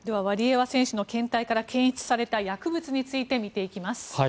ワリエワ選手の検体から検出された薬物について見ていきます。